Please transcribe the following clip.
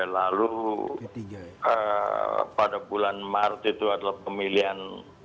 lalu pada bulan maret itu adalah pemilihan